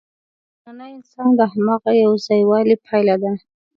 نننی انسان د هماغه یوځایوالي پایله ده.